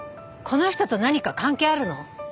この人と何か関係あるの？